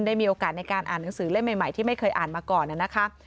ได้มีโอกาสในการอ่านหนังสือเล่มใหม่ที่ไม่เคยอ่านมาก่อนนะคะ